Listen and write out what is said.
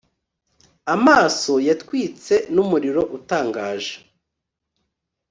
Amaso yatwitse numuriro utangaje